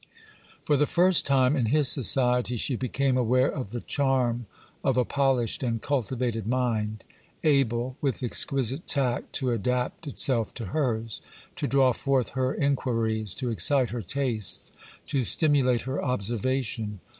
For the first time, in his society, she became aware of the charm of a polished and cultivated mind; able, with exquisite tact, to adapt itself to hers; to draw forth her inquiries; to excite her tastes; to stimulate her observation.